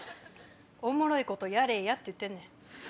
おもろいことやれやって言ってんねん。